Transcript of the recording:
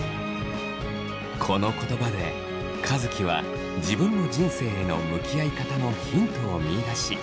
この言葉で和樹は自分の人生への向き合い方のヒントを見いだし。